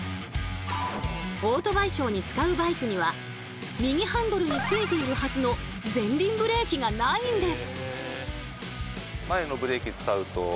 オートバイショーに使うバイクには右ハンドルについているはずの前輪ブレーキがないんです。